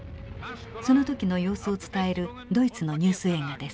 その時の様子を伝えるドイツのニュース映画です。